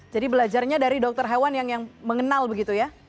jadi belajarnya dari dokter hewan yang mengenal begitu ya